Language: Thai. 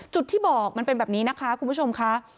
ที่บอกมันเป็นแบบนี้นะคะคุณผู้ชมค่ะ